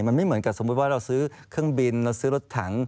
มันไม่เหมือนกับสมมุติว่าเราซื้อเครื่องบินเราซื้อรถถัง